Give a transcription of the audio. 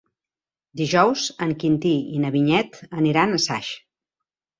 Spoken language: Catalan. Dijous en Quintí i na Vinyet aniran a Saix.